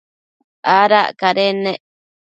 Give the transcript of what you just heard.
Adac cadennec